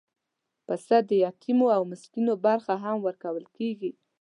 پسه د یتیمو او مسکینو برخه هم ورکول کېږي.